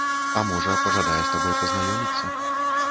А можа, пажадае з табой пазнаёміцца.